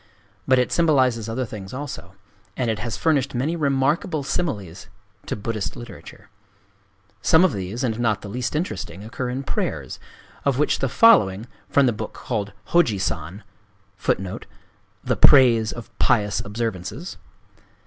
But it symbolizes other things also; and it has furnished many remarkable similes to Buddhist literature. Some of these, and not the least interesting, occur in prayers, of which the following, from the book called Hōji san is a striking example:— "The Praise of Pious Observances."